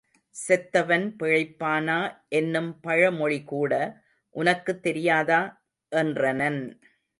செத்தவன் பிழைப்பானா என்னும் பழ மொழி கூட உனக்குத் தெரியாதா? என்றனன்.